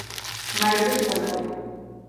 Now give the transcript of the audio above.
Maior desigualdade.